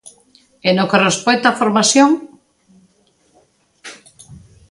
E no que respecta á formación?